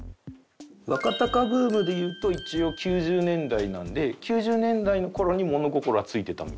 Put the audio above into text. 「若貴ブームでいうと一応９０年代なんで９０年代の頃に物心はついてたみたいな」